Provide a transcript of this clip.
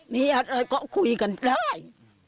มีอะไรก็คุยกันได้